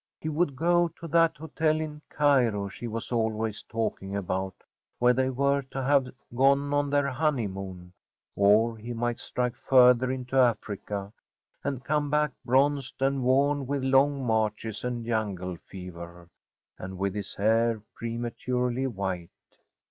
He would go to that hotel in Cairo she was always talking about, where they were to have gone on their honeymoon; or he might strike further into Africa, and come back bronzed and worn with long marches and jungle fever, and with his hair prematurely white.